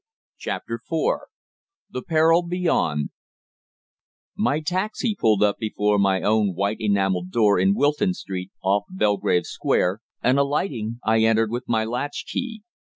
CHAPTER FOUR THE PERIL BEYOND My taxi pulled up before my own white enamelled door in Wilton Street, off Belgrave Square, and, alighting, I entered with my latch key.